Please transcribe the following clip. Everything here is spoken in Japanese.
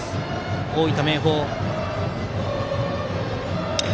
大分の明豊。